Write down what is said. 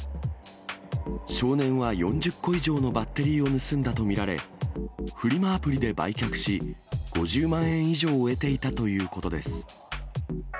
少年は４０個以上のバッテリーを盗んだと見られ、フリマアプリで売却し、５０万円以上を得ていたということです。